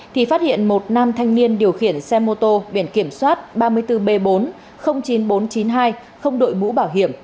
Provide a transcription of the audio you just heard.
thì phát hiện một nam thanh niên điều khiển xe mô tô biển kiểm soát ba mươi bốn b bốn chín nghìn bốn trăm chín mươi hai không đội mũ bảo hiểm